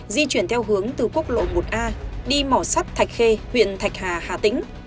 di chuyển theo hướng từ quốc lộ một a đi mỏ sắt thạch khê huyện thạch hà hà tĩnh